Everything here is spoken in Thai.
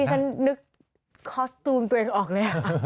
ฉันนึกคอสตูมตัวเองออกเลย